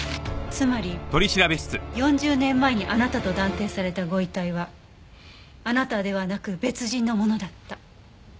つまり４０年前にあなたと断定されたご遺体はあなたではなく別人のものだった。